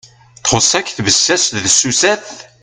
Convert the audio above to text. Txus-ak tbessast d tsusat?